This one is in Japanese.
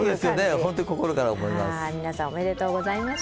本当に心から思います。